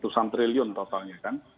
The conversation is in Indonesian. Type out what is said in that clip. itu sum triliun totalnya kan